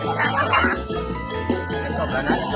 ให้มันสาธาน